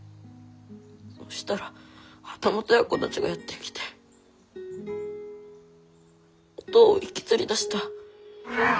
そしたら旗本奴たちがやって来ておとうを引きずり出した。